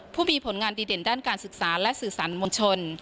ผู้มีผลงานดีเด่นด้านการศึกษาและสื่อสารมวลชน